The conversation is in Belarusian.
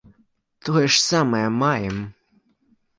Тое ж самае маем.